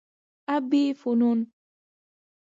ابي فنون